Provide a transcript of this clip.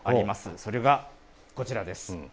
それはこちらです。